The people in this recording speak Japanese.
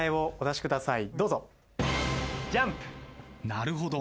なるほど。